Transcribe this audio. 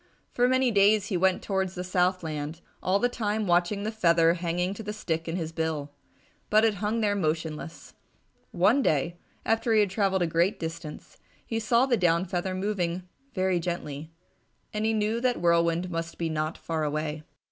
For many days he went towards the south land, all the time watching the feather hanging to the stick in his bill. But it hung there motionless. One day, after he had travelled a great distance, he saw the down feather moving very gently, and he knew that Whirlwind must be not far away.